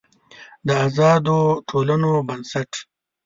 د آزادو ټولنو بنسټ